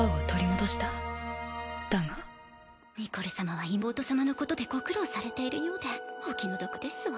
ニコル様は妹様のことでご苦労されているようでお気の毒ですわ。